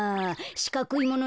しかくいもの